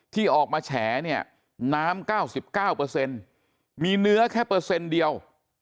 ที่ออกมาแฉน้ำ๙๙เปอร์เซ็นต์มีเนื้อแค่เปอร์เซ็นต์เดียว